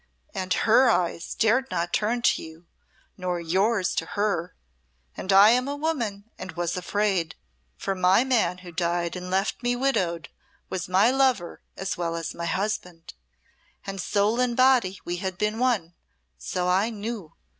And her eyes dared not turn to you, nor yours to her and I am a woman and was afraid for my man who died and left me widowed was my lover as well as my husband, and soul and body we had been one so I _knew!